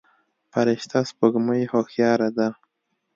فرشته سپوږمۍ هوښياره ده.